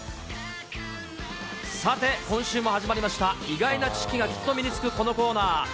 さて、今週も始まりました、意外な知識がきっと身につくこのコーナー。